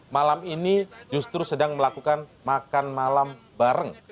malam ini justru sedang melakukan makan malam bareng